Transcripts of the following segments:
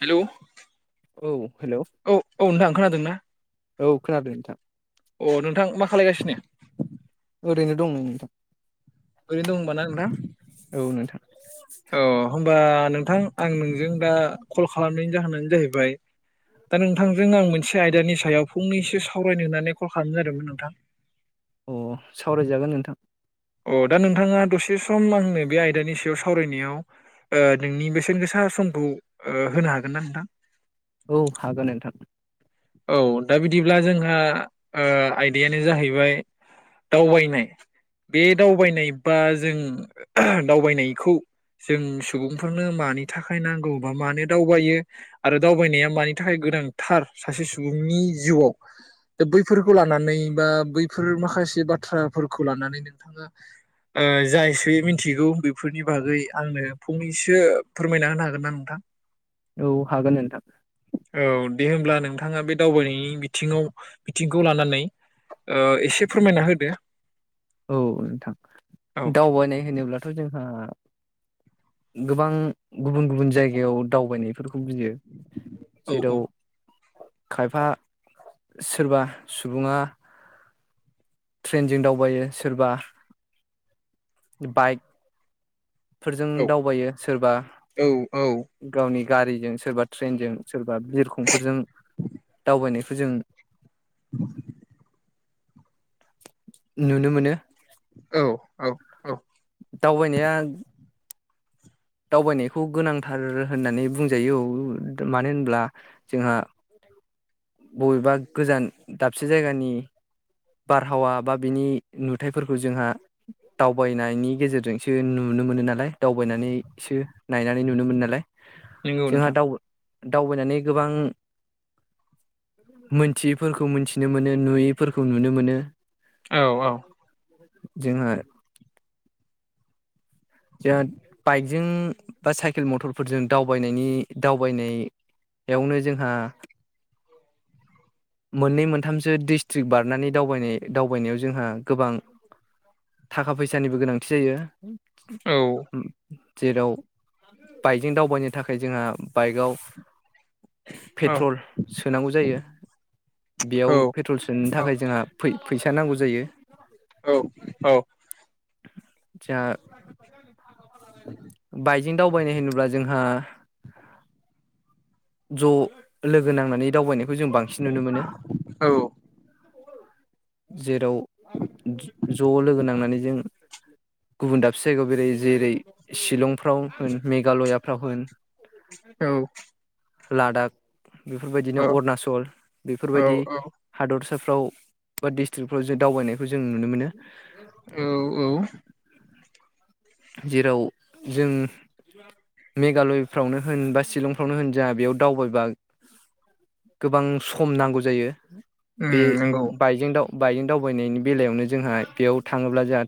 Hello औ hello औ औ नोंथां खोनादों ना? औ खोनादों नोंथां। अ नोंथां मा खालायगासिनो? ओरैनो दं नै नोंथां। ओरैनो दं होनबा ना नोंथां औ नोंथां औ होमबा नोंथां आं नोंजों दा कल खालामनायनि जाहोनानो जाहैबाय दा नोंथांजों आं मोनसे आयदानि सायाव फंनैसो सावरायनो होननानै कल खालामनाय जादोंमोन नोंथां अ सावरायजागोन नोंथां। अ दा नोंथाङा दसे सम आंनो बे आयदानि सायाव सावरायनायाव ओ नोंनि बेसेन गोसा समखौ ओ होनो हागोन ना नोंथां? औ हागोन नोंथां। औ दा बिदिब्ला जोंहा ओ आयदायानो जाहैबाय दावबायनाय बे दावबायनाय बा जों दावबायनायखौ जों सुबुंफोरनो मानि थाखाय नांगौ बा मानो दावबायो आरो दावबायनाया मानि थाखाय गोनांथार सासे सुबुंनि जिउआव दा बैफोरखौ लानानै बा बैफोर माखासे बाथ्राफोरखौ लानानै नोंथाङा ओ जा एसेयै मिथिगौ बेफोरनि बागै आंनो फंनैसो फोरमायना होनो हागोन ना नोंथां? औ हागोन नोंथां। औ दे होमब्ला नों थाङा बे दावबायनायनि बिथिंङाव बिथिंखौ लानानै ओ एसे फोरमायना होदो। औ औ नोंथां दावबायनाय होनोब्लाथ जोंहा गोबां गुबुन गुबुन जायगायाव दावबायनायफोर यो औ औ जेराव खायफा सोरबा सुबुंङा ट्रेनजों दावबायो सोरबा बाइक फोरजों औ दावबायो सोरबा औ गावनि गारिजों सोरबा ट्रेनजों सोरबा बिरखंफोरजों दावबायनाय फोरजों औ [inaudible] नुनो मोनो औ औ औ दावबायनाया दावबायनायखौ गोनांथार होननानै बुंजायो मानो होनब्ला जोंहा बबेबा गोजान दाबसे जायगानि बारहावा बा बिनि नुथफोरखौ जोंहा दावबायनायनि गेजेरजोंसो नुनो मोनो नालाय दावबायनानै इसो नायनानै नुनो मोन नालाय नंगौ जोंहा नोंथां दाउ दावबायनानै गोबां मोनथियैफोरखौ मोनथिनो मोनो नुयैफोरखौ नुनो मोनो औ औ जोंहा जोंहा बाइकजों बा साइकेल मटरफोरजों दावबायनायनि दावबायनायावनो जोंहा मोननै मोनथामसो डिस्ट्रिक् बारनानै दावबायनाय दावबायनायाव जोंहा गोबां थाखा फैसानिबो गोनांथि जायो औ ओम जेराव बाइकजों दावबायनो थाखाय जोंहा बाइकआव औ पेट्रल सोनांगौ जायो औ बेयाव पेट्रल सोनो थाखाय जोंहा फै फैसा नांगौ जायो औ औ जा [unintelligible] बाइकजों दावबायनो होनोब्ला जोंहा ज लोगो नांनानै दावबायनायखौ जों बांसिन नुनो मोनो जेराव ज लोगो नांनानै जों गुबुन दाबसे जायगायाव बेरायो जेरै शिलंफ्राव होन मेघालयाफ्राव होन औ लादाख बेफोरबायदिनो अरुणाचल औ बेफोरबायदि हादरसाफोर फ्राव बा डिस्ट्रिक्टफ्राव जों दावबायनायखौ जों नुनो मोनो औ औ औ जेराव जों मेघालयफ्रावनो होन बा शिलंफ्रावनो होन जोंहा बेयाव दावबायबा गोबां सम नांगौ जायो उम बे नंगौ बाइकजों दाउ बाइनो दावबायनायनि बेलायावनो जोंहा बेयाव थाङोब्ला जोंहा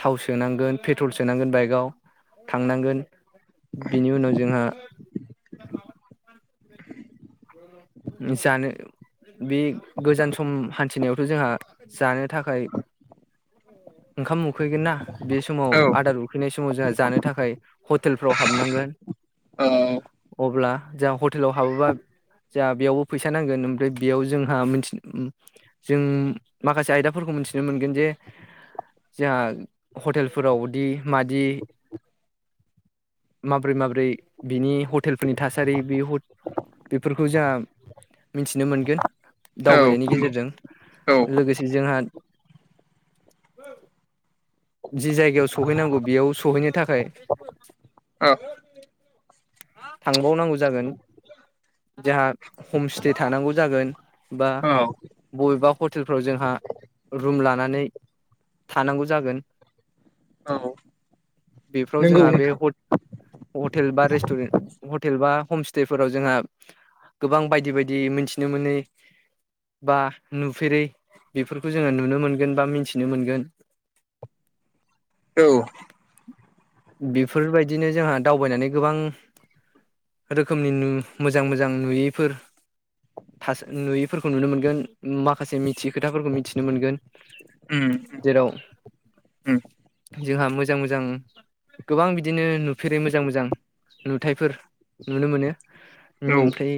थाव सोनांगोन पेट्रल सोनांगोन बाइकआव थांनांगोन बिनि उनाव जोंहा [inaudible] जानो बे गोजान सम हान्थिनायाव जोंहा जानो थाखाय ओंखाम उख उखैगोन ना बे समाव औ आदार उखैनाय समाव जोंहा जानो थाखाय हटेलफ्राव हाबनांगोन औ अब्ला जा ह हटेलाव हाबोबा जा बेयावबो फैसा नांगोन ओमफ्राय बेयाव जोंहा मिथि जों माखासे आयदाफोरखौ मिथिनो मोनगोन जे जोंहा हटेलफोरावदि मादि माब्रै माब्रै बिनि हटेलफोरनि थासारि बि हट फोरखौ जा मिथिनो मोनगोन दावबायनायनि औ गेजेरजों औ लोगोसे जोंहा [inaudible] जि जायगायाव सौहैनांगौ बेयाव सहैनो थाखाय औ थांबावनांगौ जागोन जोंहा हमस्टे थानांगौ जागोन बा औ बबेबा हटेलफ्राव जोंहा रुम लानानै थानांगौ जागोन औ बेफ्राव नंगौ जोंहा बे नोंथां हट हटेल बा रेस [unintelligible] हटेल बा हमस्टे फोराव जोंहा गोबां बायदि बायदि मोनथिनो मोनै बा नुफेरै बेफोरखौ जोङो नुनो मोनगोन बा मिथिनो मोनगोन औ बेफोरबायदिनो जोंहा दावबायनानै गोबां रोखोमनि नु मोजां मोजां नुयैफोर थास नुयैफोरखौ नुनो मोनगोन माखासे मिथि खोथाफोरखौ मिथिनो मोनगोन उम जेराव उम जोंहा मोजां मोजां गोबां बिदिनो नुफेरै मोजां मोजां नुथायफोर नुनो मोनो औ ओमफ्राय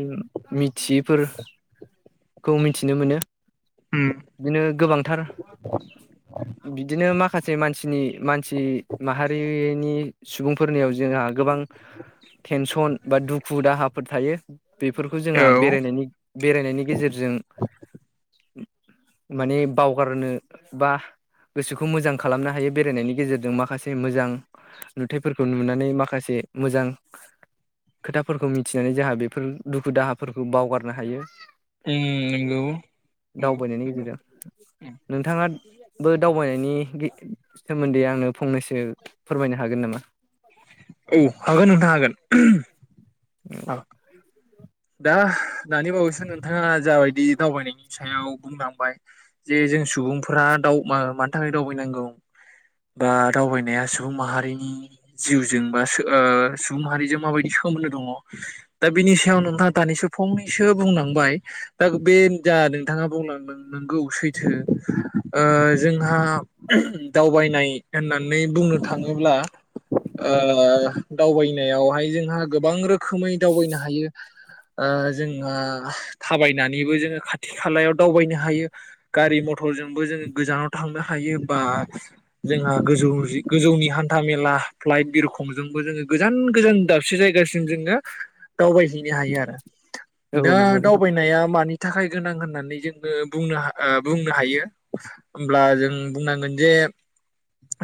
मिथियैफोरखौ मिथिनो मोनो उम बिदिनो गोबांथार बिदिनो माखासे माखासे मानसिनि मान जि माहारिनि सुबुंफोरनियाव जोंहा गोबां फोर थायो बेफोरखौ जोंहा औ उम बेरायनायनि बेरायनायनि गेजेरजों माने बावगारनो बा गोसोखौ मोजां खालामनो हायो बेरायनायनि गेजेरजों माखासे मोजां नुथाइफोरखौ नुनानै माखासे मोजां खोथाफोरखौ मिथिनानै जोंहा बेफोर दुखु दाहाफोरखौ बावगारनो हायो नंगौ नंगौ नंगौ दावबायनायनि गेजेरजों उम नोंथाङा बो दावबायनायनि सोमोन्दै आंनो फंनैसो फोरमायनो हागोन नामा औ हागोन नोंथां हागोन औ दा दानि बावैसो नोंथाङा जाबायदि दावबायनायनि सायाव बुंलांबाय जे जों सुबुंफोरा मानि थाखाय दावबायनांगौ बा दावबायनाया सुबुं माहारिनि जिउजों बा सुबुं माहारिजों माबायदि सोमोन्दो दङ दा बिनि सायाव नों दानिसो फंनैसो बुंलांबाय दा बे जा नोंथाङा बुंलांदों नंगौ सैथो जोंहा दावबायनाय होननानै बुंनो थाङोब्ला दावबायनायावहाय जोंहा गोबां रोखोम रोखोमै दावबायनो हायो जोंहा थाबायनानैबो जोङो खाथि खालायाव दावबायनो हायो गारि मथरजोंबो जोङो गोजानाव थांनो हायो बा ओ ओ जोंहा गोजौ गोजौनि हान्था मेला फ्लाइट बिरखंजोंबो जोङो गोजान गोजान दाबसे जायगासिम जोङो दावबायहैनो हायो आरो औ दा नंगौ नोंथां दावबायनाया मानि थाखाय गोनां होननानै जोङो बुंनो बुंनो हायो होमब्ला जों बुंनांगोन जे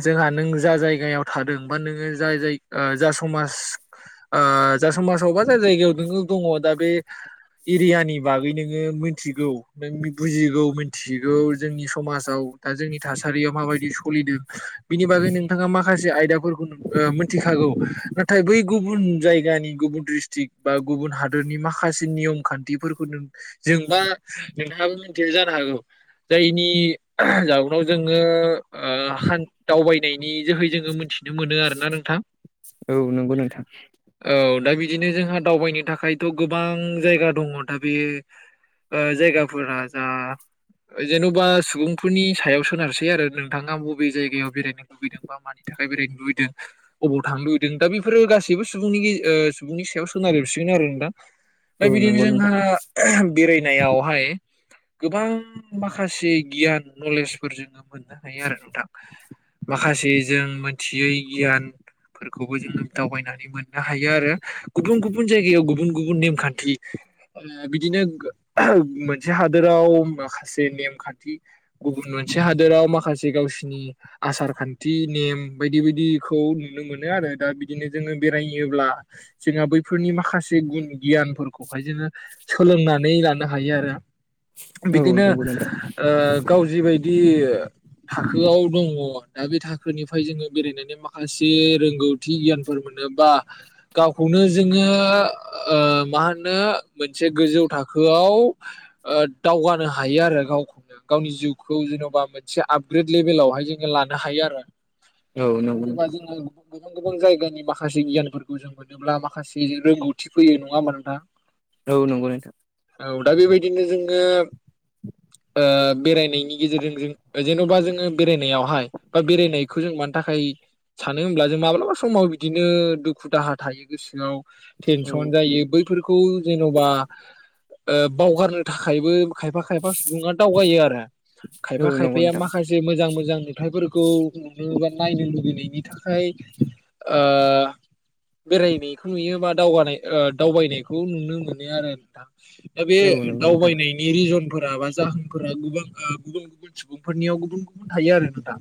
जोंहा नों जा जायगायाव थादों बा नोङो ज जाय जा समाज जा समाजाव बा जा जायगायाव नोङो दङ दा बे एरियानि बागै नोङो मिथिगौ नों बुजिगौ मिथिगौ जोंनि समाजाव दा जोंनि थासारियाव माबायदि सोलिदों बिनि बागै नोंथाङा माखासे आयदाफोरखौ मिथिखागौ नाथाय बै गुबुन जायगानि गुबुन ड्रिस्ट्रिक बा गुबुन हादोरनि माखासे नियम खान्थिफोरखौ जोंबा नोंथाङाबो मिथिया जानो हागौ जायनि जउनाव जोङो दावबायनायनि जोहै जोङो मिथिनो मोनो आरोना नोंथां। औ नंगौ नोंथां औ दा बिदिनो जोंहा दावबायनो थाखायथ' गोबां जायगा दङ दा बे जायगाफोरा जा जेन'बा सुबुंफोरनि सायाव सोनारसै आरो नोंथाङा बबे जायगायाव बेरायनो लुबैदों बा मानि थाखाय बेरायनो लुबैदों बबाव थांनो लुबैदों दा बेफोरो गासैबो सुबुंनि सुबुंनि सायाव [unintelligible] आरो नोंथां औ दा बिदिनो नंगौ नोंथां जोंहा बेरायनायावहाय गोबां माखासे गियान नलेजफोर जोङो मोननो हायो आरो नोंथां माखासे जों मोनथियै गियानफोरखौबो जोङो दावबायनानै मोननो हायो आरो। गुबुन गुबुन जायगायाव गुबुन गुबुन नेमखान्थि बिदिनो मोनसे हादोराव माखासे नेमखान्थि गुबुन मोनसे हादोराव माखासे गावसिनि आसार खान्थि नेम बायदि बायदिखौ नुनो मोनो आरो दा बिदिनो जोङो बेरायोब्ला जोंहा बैफोरनि माखासे गुन गियानफोरखौहाय जोङो सोलोंनानै लानो हायो आरो। औ बिदिनो नंगौ नोंथां ओ गाव जिबायदि बिदि थाखोआव दङ दा बे थाखोनिफ्राय जोङो बेरायनानै माखासे रोंगौथि गियानफोर मोनो बा गावखौनो जोङो मा होनो मोनसे गोजौ थाखोआव दावगानो हायो आरो गावखौनो गावनि जिउखौ जेन'बा मोनसे आपग्रेद लेभेलावहाय जोङो लानो हायो आरो औ मानो नंगौ होनोबा नोंथां जोङो गुबुन गुबुन जायगानि बाख माखासे गियानफोरखौ मोनोब्ला माखासे रोंगौथि फैयो नङा होमबा नोंथां। औ नंगौ नोंथां औ दा बेबायदिनो जोङो ओ [inaudible] बेरायनायनि गेजेरजों जों जेन'बा जोङो बेरायनायावहाय बा बेरायनायखौ जों मानि थाखाय सानो होमब्ला जों माब्लाबा समाव बिदिनो दुखु दाहा थायो गोसोआव औ टेनसन जायो बैफोरखौ जेन'बा बावगारनो थाखायबो खायफा खायफा सुबुङा दावगायो आरो खायफा औ नंगौ खायफाया नोंथां माखासे मोजां मोजां। थायफोरखौ नुनो बा नायनो लुुबैनायनि थाखाय ओ। बेरायनायखौ नुयो बा दावगानाय ओ दावबायनायखौ नुनो मोनो आरो नोंथां। दा बे औ नंगौ नोंथां दावबायनायनि रिजनफोर माबा जाहोनफोरा गुबां आह गुबुन गुबुन सुबुंफोरनियाव गुबुन गुबुन थायो आरो नोंथां।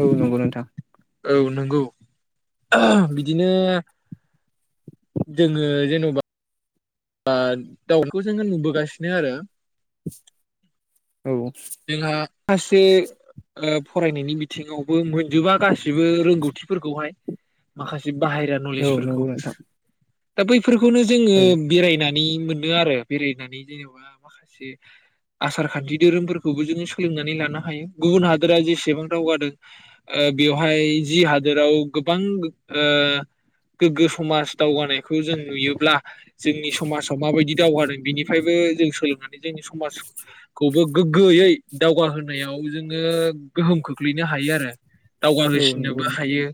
औ नंगौ नोंथां। औ नोंगौ [inaudible] बिदिनो। [inaudible] जोङो जेन'बा बा दाउखौ जोङो नुबोगासिनो आरो। औ। जोंहा खासे ओ फरायनायनि बिथिङावबो मोनजोबा गासिबो रोंगौथिफोरखौहाय माखासे बाहायरा औ नलेजफोरखौ। नंगौ नोंथां दा बै फोरखौनो जोङो औ बेरायना नै मोनो आरो बेरायनानै जेनेबा माखासे आसारखान्थि दोरोमफोर खौबो जोङो सोलोंनानै लानो हायो गुबुन हादोरा जेसेबां दावगादों ओ बेवहाय जि हादोराव गोबां गोग ओह गोग्गो समाज दावगानायखौ जों नुयोब्ला। जोंनि समासाव माबायदि दावगाना बिनिफायबो जों सोलोंनानै। जोंनि समाज खौबो। गोयै दावगाहोनायाव जोङो गोहोम खोख्लैनो हायो आरो। दावगा औ नंगौ होसिननोबो नोंथां औ हायो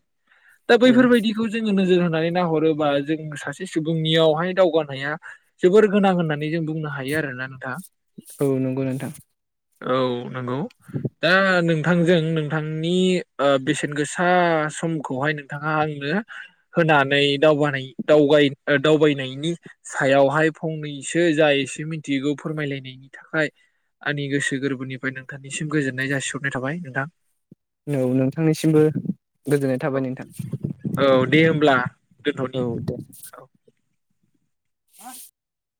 दा बैफोरबायदिखौ जोङो नोजोर होनानै। नाहरोबा जों सासे सुबुंनियावहाय दावगानाया जोबोर गोनां होननानै जों बुंनो हायो आरोना नोंथां। औ नंगौ नोंथां। औ। नोंगौ दा नों थांजों नोंथांनि ओह बेसेन गोसा समखौहाय नोंथाङा आंनो होनानै दावबानाय दावगाइन ओ दावबायनायनि सायावहाय फंनैसो जा एसे मिथिगौ फोरमायलायनायनि थाखाय । आंनि गोसो गोरबोनिफ्राय नोंथांनिसिम गोजोननाय जासिहरनाय थाबाय नोंथां। नौ नोंथांनिसिमबो गोजोननाय थाबाय नोंथां। औ दे होमब्ला। दोनथ'नि औ दे। औ [unintelligible]